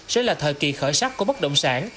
sẽ là thời kỳ khởi sắc của bất động sản